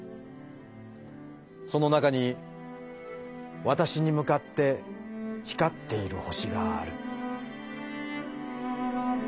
その中にわたしに向かって光っている星がある」。